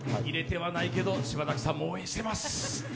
入れてはないけど、柴咲さんも応援しています。